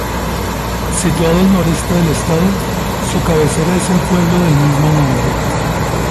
Situado al noreste del estado, su cabecera es el pueblo del mismo nombre.